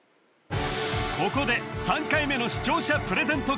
ここで３回目の視聴者プレゼント